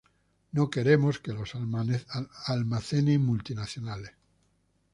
no queremos que lo almacenen multinacionales